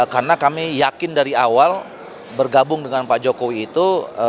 karena kami yakin dari awal bergabung dengan pak jokowi itu